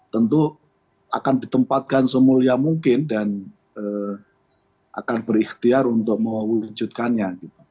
tentu akan ditempatkan semulia mungkin dan akan berikhtiar untuk mewujudkannya